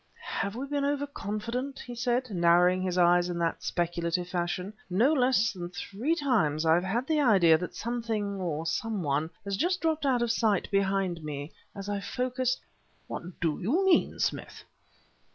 "Have we been over confident?" he said, narrowing his eyes in speculative fashion. "No less than three times I have had the idea that something, or some one, has just dropped out of sight, behind me, as I focused..." "What do you mean, Smith?"